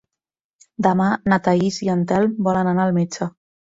Demà na Thaís i en Telm volen anar al metge.